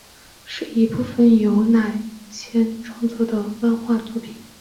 是一部由文乃千创作的漫画作品。